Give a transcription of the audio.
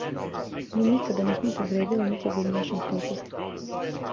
Ми никада нисмо повредили никога у нашим протестима.